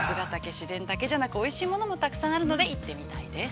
自然だけじゃなく、おいしいものもたくさんあるので、行ってみたいです。